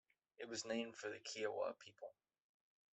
It was named for the Kiowa people.